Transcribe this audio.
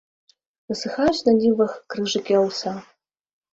Насыхаюць на нівах крыжыкі аўса.